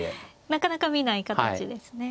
なかなか見ない形ですね。